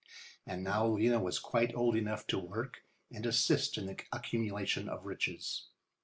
And now Lena was quite old enough to work and assist in the accumulation of riches.